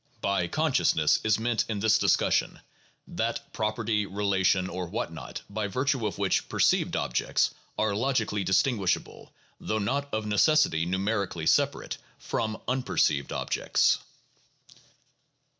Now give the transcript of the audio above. By consciousness is meant in this discussion that (property, re lation, or what not) by virtue of which perceived objects are logically distinguishable, though not of necessity numerically separate, from unperceived objects.